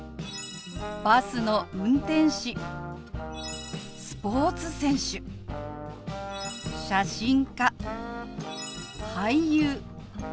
「バスの運転士」「スポーツ選手」「写真家」「俳優」